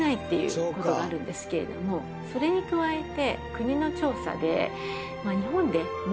それに加えて。